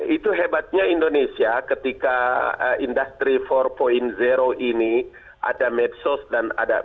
itu hebatnya indonesia ketika industri empat ini ada medsos dan ada